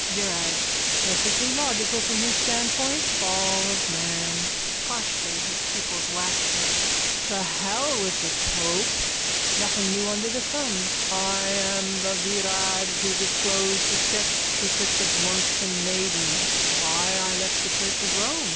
VIRAG: Perfectly logical from his standpoint. Fall of man. (Harshly, his pupils waxing.) To hell with the pope! Nothing new under the sun. I am the Virag who disclosed the Sex Secrets of Monks and Maidens. Why I left the church of Rome.